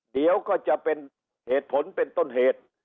เดี๋ยวก็จะเป็นเหตุผลเป็นต้นเหตุ